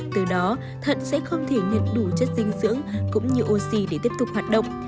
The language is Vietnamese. từ đó thận sẽ không thể nhận đủ chất dinh dưỡng cũng như oxy để tiếp tục hoạt động